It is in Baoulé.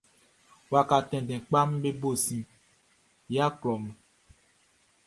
Waka tɛnndɛn kpaʼm be bo sin yia klɔʼn.